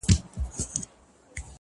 دپښتون په تور وهلی هر دوران دی,